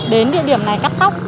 đến địa điểm này cắt tóc